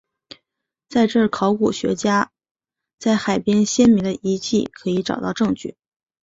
这在考古学家在海边先民的遗迹可以找到证据。